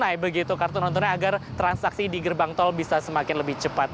naik begitu kartu nontonnya agar transaksi di gerbang tol bisa semakin lebih cepat